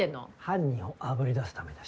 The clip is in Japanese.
犯人を炙り出すためだ。